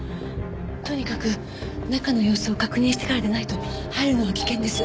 とにかく中の様子を確認してからでないと入るのは危険です。